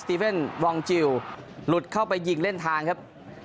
เว่นวองจิลหลุดเข้าไปยิงเล่นทางครับ